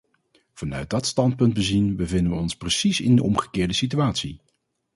Vanuit dat standpunt bezien bevinden we ons precies in de omgekeerde situatie.